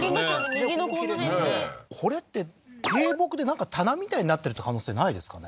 右のこの辺にこれって低木でなんか棚みたいになってるって可能性ないですかね？